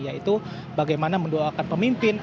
yaitu bagaimana mendoakan pemimpin